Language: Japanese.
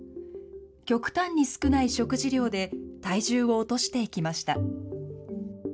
極端に少ない食事量で体重を落としていきました。